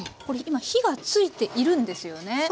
これ今火がついているんですよね。